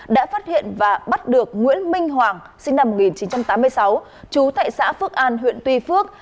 đã phát hiện và bắt được nguyễn minh hoàng sinh năm một nghìn chín trăm tám mươi sáu chú tại xã phước an huyện tuy phước